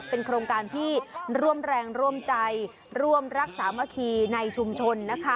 เป็นโครงการที่ร่วมแรงร่วมใจร่วมรักษาสามัคคีในชุมชนนะคะ